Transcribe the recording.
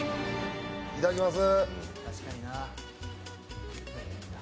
いただきます。